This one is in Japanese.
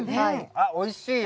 あっおいしいよ。